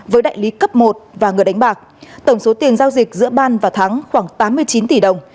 với đại lý cấp một và người đánh bạc tổng số tiền giao dịch giữa ban và thắng khoảng tám mươi chín tỷ đồng